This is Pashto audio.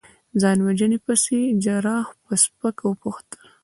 ځان وژنې پسې؟ جراح په سپکه وپوښتل.